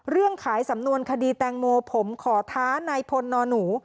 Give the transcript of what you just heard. เรื่องขายสำนวนคดีแตงโมผมขอท้านายพลนอนหนู